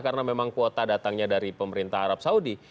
karena memang kuota datangnya dari pemerintah arab saudi